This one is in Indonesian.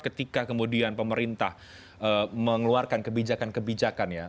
ketika kemudian pemerintah mengeluarkan kebijakan kebijakan ya